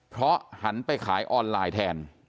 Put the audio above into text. เพราะหันไปขายออนไลน์แทน